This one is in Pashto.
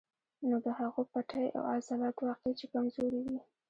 نو د هغو پټې او عضلات واقعي چې کمزوري وي